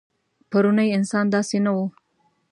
پروني انسان داسې نه و.